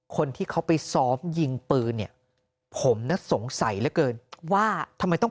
คนที่เขาไปซ้อมยิงปืนเนี่ยผมน่ะสงสัยเหลือเกินว่าทำไมต้อง